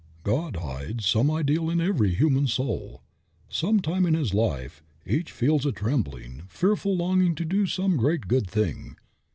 God hides some ideal in every human soul. At some time in his life, each feels a trembling, fearful longing to do some great good thing.